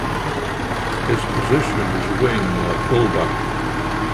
His position is Wing or Fullback.